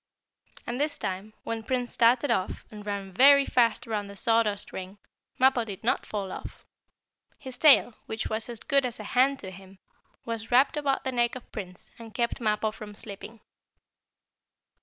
And this time, when Prince started off, and ran very fast around the sawdust ring, Mappo did not fall off. His tail, which was as good as a hand to him, was wrapped about the neck of Prince, and kept Mappo from slipping.